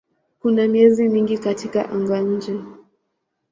Kuna miezi mingi katika anga-nje.